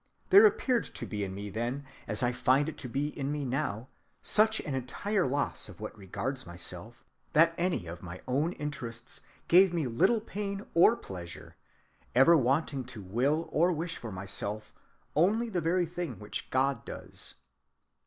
There appeared to be in me then, as I find it to be in me now, such an entire loss of what regards myself, that any of my own interests gave me little pain or pleasure; ever wanting to will or wish for myself only the very thing which God does."